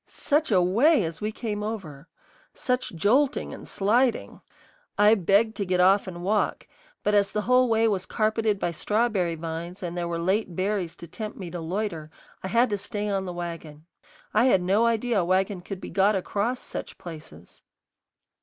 Such a way as we came over! Such jolting and sliding! I begged to get off and walk; but as the whole way was carpeted by strawberry vines and there were late berries to tempt me to loiter, I had to stay on the wagon. I had no idea a wagon could be got across such places.